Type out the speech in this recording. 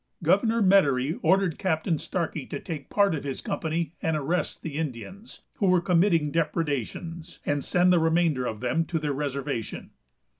Governor Medary ordered Captain Starkey to take part of his company and arrest the Indians who were committing depredations, and send the remainder of them to their reservation.